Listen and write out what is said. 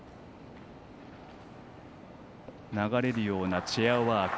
流れるようなチェアワーク。